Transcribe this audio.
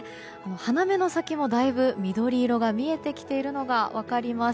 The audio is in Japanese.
花芽の先も、だいぶ緑色が見えてきているのが分かります。